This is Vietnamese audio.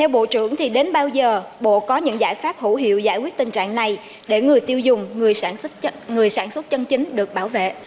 bộ trưởng thì đến bao giờ bộ có những giải pháp hữu hiệu giải quyết tình trạng này để người tiêu dùng người sản xuất chân chính được bảo vệ